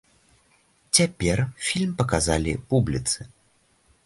Цяпер фільм паказалі публіцы.